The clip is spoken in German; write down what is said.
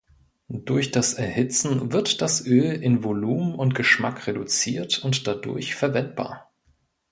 Durch das Erhitzen wird das Öl in Volumen und Geschmack reduziert und dadurch verwendbar.